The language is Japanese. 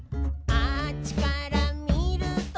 「あっちからみると」